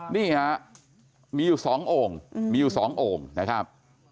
นี่ค่ะมีอยู่สองโอ่งมีอยู่สองโอ่งนะครับ